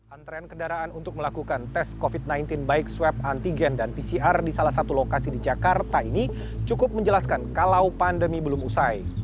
antrean kendaraan untuk melakukan tes covid sembilan belas baik swab antigen dan pcr di salah satu lokasi di jakarta ini cukup menjelaskan kalau pandemi belum usai